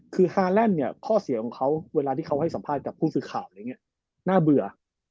คือฮาแลนด์เนี่ยข้อเสียของเขาเวลาที่เขาให้สัมภาษณ์กับผู้สื่อข่าวอะไรอย่างนี้น่าเบื่อ